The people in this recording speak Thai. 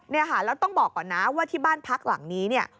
แล้วต้องบอกก่อนนะว่าที่บ้านพักหลังนี้